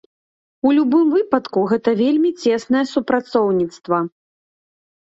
У любым выпадку, гэта вельмі цеснае супрацоўніцтва.